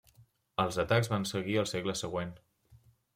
Els atacs van seguir al segle següent.